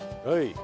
はい。